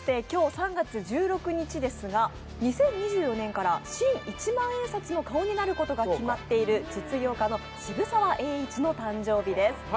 今日３月１６日ですが、２０２４年から新一万円札の顔になることが決まっている実業家の渋沢栄一の誕生日です。